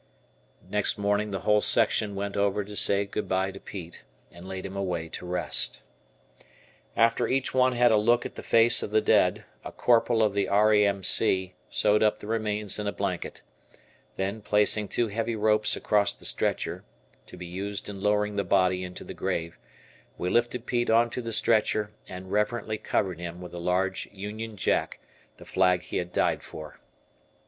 Next morning the whole section went over to say good bye to Pete, and laid him away to rest. After each one had a look at the face of the dead, a Corporal of the R. A. M. C. sewed up the remains in a blanket. Then placing two heavy ropes across the stretcher (to be used in lowering the body into the grave), we lifted Pete onto the stretcher, and reverently covered him with a large Union Jack, the flag he had died for.